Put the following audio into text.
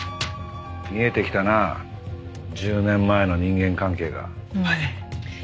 見えてきたな１０年前の人間関係が。